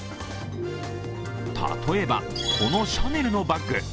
例えば、このシャネルのバッグ。